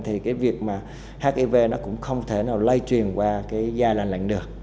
thì cái việc mà hiv nó cũng không thể nào lây truyền qua cái da lành lặn được